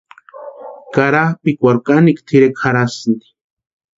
Karapikwarhu kanikwa tʼirekwa jarhasti.